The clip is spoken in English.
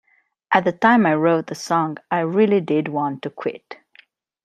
At the time I wrote the song, I really did want to quit.